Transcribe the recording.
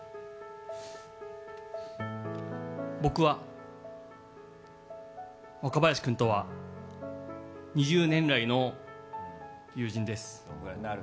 僕は、若林君とは２０年来の友人です。